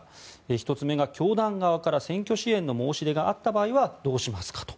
１つ目が、教団側から選挙支援の申し出があった場合はどうしますかと。